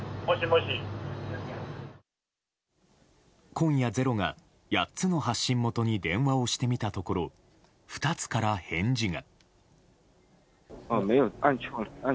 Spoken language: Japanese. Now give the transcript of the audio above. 今夜「ｚｅｒｏ」が８つの発信元に電話をしてみたところ２つから返事が。